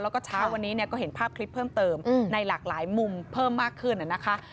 แล้วก็เช้าวันนี้ก็เห็นภาพคลิปเพิ่มเติมในหลากหลายมุมเพิ่มมากขึ้นนะคะ